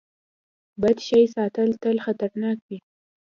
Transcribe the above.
بد شی ساتل تل خطرناک وي.